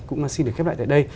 cũng xin được khép lại tại đây